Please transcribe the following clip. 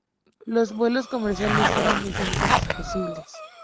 Los vuelos comerciales eran desde entonces posibles.